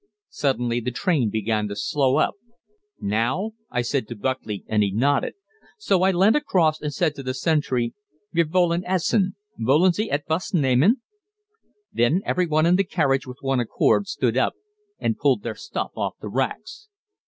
Suddenly the train began to slow up. "Now?" I said to Buckley, and he nodded, so I leant across and said to the sentry, "Wir wollen essen; wollen Sie etwas nehmen?" Then every one in the carriage with one accord stood up and pulled their stuff off the racks.